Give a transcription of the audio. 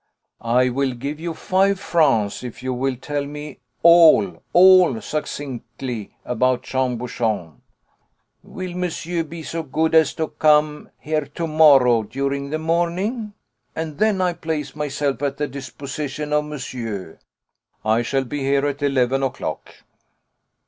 "I will give you five francs if you will tell me all all succinctly about Jean Bouchon." "Will monsieur be so good as to come here to morrow during the morning? and then I place myself at the disposition of monsieur." "I shall be here at eleven o'clock."